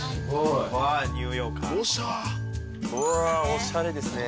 うわおしゃれですね。